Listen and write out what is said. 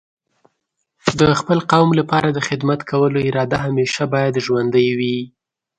د خپل قوم لپاره د خدمت کولو اراده همیشه باید ژوندۍ وي.